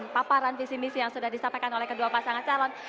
paparan visi misi yang sudah disampaikan oleh kedua pasangan calon